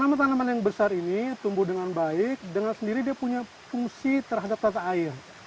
tanaman tanaman yang besar ini tumbuh dengan baik dengan sendiri dia punya fungsi terhadap tata air